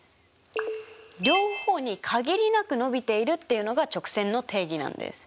「両方にかぎりなくのびている」っていうのが直線の定義なんです。